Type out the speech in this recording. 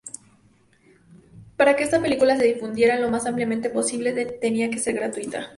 Para que esta película se difundiera lo más ampliamente posible, tenía que ser gratuita.